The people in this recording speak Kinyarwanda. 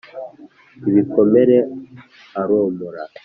Ibikomere aromora.